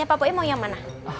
pak puai mau yang mana